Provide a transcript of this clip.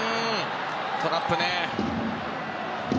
トラップね。